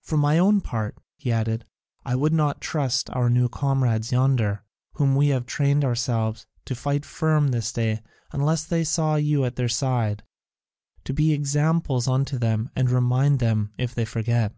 For my own part," he added, "I would not trust our new comrades yonder, whom we have trained ourselves, to stand firm this day unless they saw you at their side, to be examples unto them and to remind them if they forget.